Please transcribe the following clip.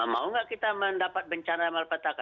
mau nggak kita mendapat bencana malapetaka